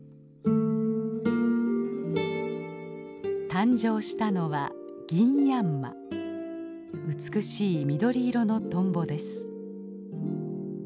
誕生したのは美しい緑色のトンボです。